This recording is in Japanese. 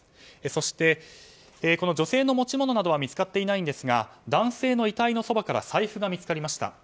そして女性の持ち物などは見つかっていないんですが男性の遺体のそばから財布が見つかりました。